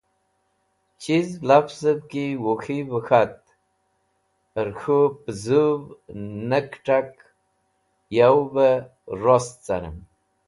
Chiz lavzẽv ki Wuk̃hivẽ k̃hat hẽr k̃hũ pẽzũv nẽ kẽt̃tk yavẽ bẽ rost carẽn.